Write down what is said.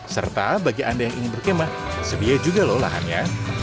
serta bagi anda yang ingin berkemah sedia juga loh lahannya